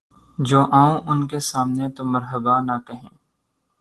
جو آؤں سامنے ان کے‘ تو مرحبا نہ کہیں